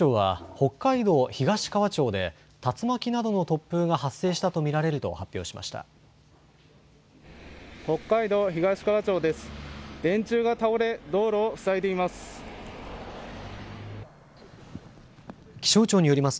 北海道東川町です。